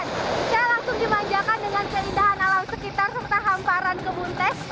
saya langsung dimanjakan dengan keindahan alam sekitar serta hamparan kebun teh